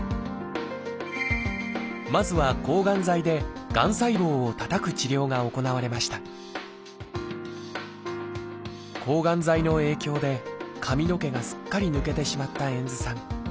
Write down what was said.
まずは抗がん剤でがん細胞をたたく治療が行われました抗がん剤の影響で髪の毛がすっかり抜けてしまった遠津さん。